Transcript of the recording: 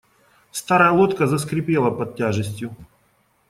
Старая лодка заскрипела под тяжестью.